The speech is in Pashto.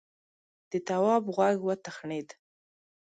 د تواب غوږ وتخڼيد: